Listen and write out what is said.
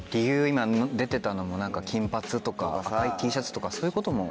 今出てたのも金髪とか赤いＴシャツとかそういうことも。